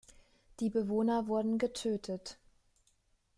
Die Bewohner wurden getötet.